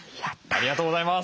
ありがとうございます。